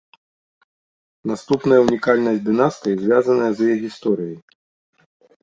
Наступная унікальнасць дынастыі звязаная з яе гісторыяй.